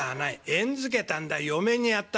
縁づけたんだ嫁にやったんだ。